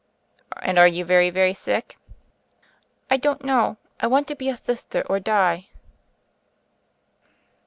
"And are you very, very sick?" "I don't know. I want to be a Thithter or die?"